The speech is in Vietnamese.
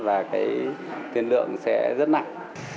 và tiên lượng sẽ rất nặng